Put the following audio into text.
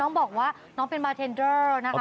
น้องบอกว่าน้องเป็นบาร์เทนเดอร์นะคะ